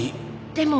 でも。